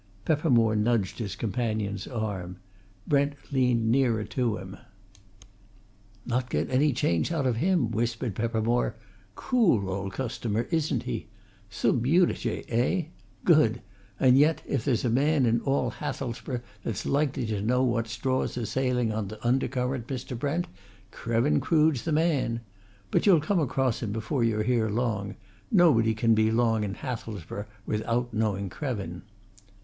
Peppermore nudged his companion's arm. Brent leaned nearer to him. "Not get any change out of him!" whispered Peppermore. "Cool old customer, isn't he? Sub judice, eh? Good! And yet if there's a man in all Hathelsborough that's likely to know what straws are sailing on the undercurrent, Mr. Brent, Krevin Crood's the man! But you'll come across him before you're here long nobody can be long in Hathelsborough without knowing Krevin!"